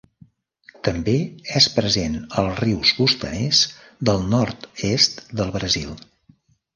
També és present als rius costaners del nord-est del Brasil.